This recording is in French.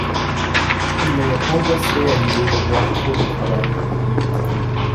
Il est angoissé à l'idée d'avoir trop de travail.